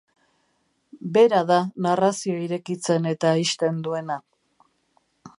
Bera da narrazioa irekitzen eta ixten duena.